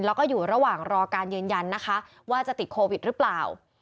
แล้วก็อยู่ระหว่างรอการยืนยันนะคะว่าจะติดโควิดหรือเปล่า